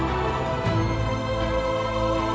aku akan menunggu